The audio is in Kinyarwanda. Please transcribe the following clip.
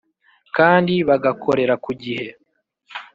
kandi bagakorera ku gihe.